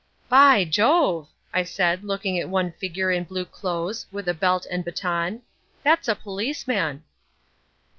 "By Jove!" I said looking at one figure in blue clothes with a belt and baton, "that's a policeman!"